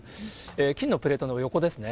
金のプレートの横ですね。